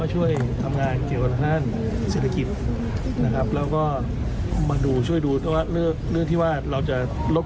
ผมเองผมก็มาช่วยพักอยู่แล้วนะครับ